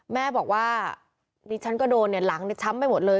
แม่บอกว่าดิฉันก็โดนเนี่ยหลังช้ำไปหมดเลย